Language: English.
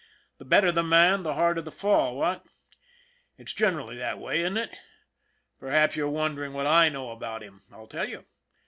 The better the man the harder the fall, what? It's generally that way, isn't it? Perhaps you're wondering what / know about him. I'll tell you.